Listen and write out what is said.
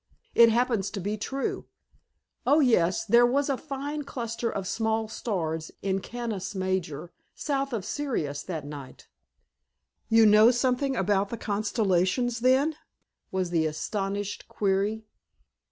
"It happens to be true." "Oh, yes. There was a very fine cluster of small stars in Canis Major, south of Sirius, that night." "You know something about the constellations, then?" was the astonished query.